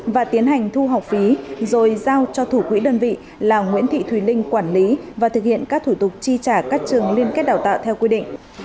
và tiến hành thu học phí rồi giao cho thủ quỹ đơn vị là nguyễn thị thùy linh quản lý và thực hiện các thủ tục chi trả các trường liên kết đào tạo theo quy định